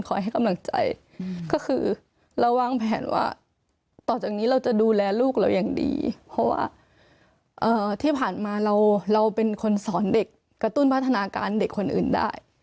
ให้กำลังใจก็คือเราวางแผนว่าต่อจากนี้เราจะดูแลลูกเราอย่างดีเพราะว่าที่ผ่านมาเราเป็นคนสอนเด็กกระตุ้นพัฒนาการเด็กคนอื่นได้